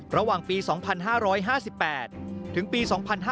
ระหว่างปี๒๕๕๘ถึงปี๒๕๕๙